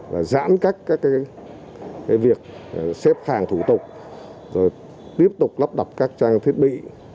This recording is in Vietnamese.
và giãn cách các cái việc xếp hàng thủ tục rồi tiếp tục lắp đập các trang thiết bị